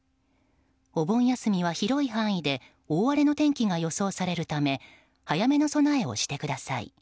お盆休みは広い範囲で大荒れの天気が予想されるため早めの備えをしてください。